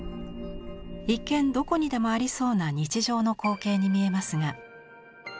一見どこにでもありそうな日常の光景に見えますが。